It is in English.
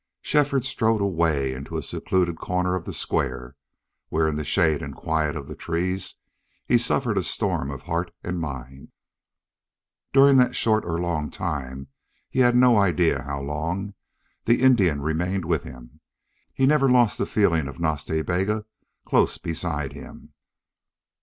. Shefford strode away into a secluded corner of the Square, where in the shade and quiet of the trees he suffered a storm of heart and mind. During that short or long time he had no idea how long the Indian remained with him. He never lost the feeling of Nas Ta Bega close beside him.